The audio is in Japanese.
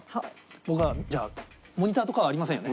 僕はじゃあモニターとかはありませんよね？